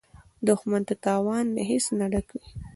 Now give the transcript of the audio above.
دښمن د تاوان د حس نه ډک وي